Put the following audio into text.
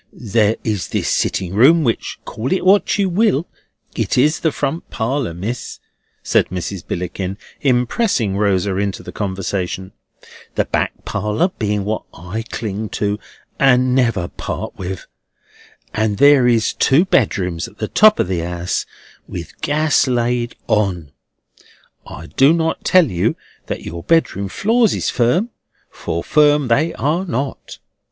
"There is this sitting room—which, call it what you will, it is the front parlour, Miss," said Mrs. Billickin, impressing Rosa into the conversation: "the back parlour being what I cling to and never part with; and there is two bedrooms at the top of the 'ouse with gas laid on. I do not tell you that your bedroom floors is firm, for firm they are not.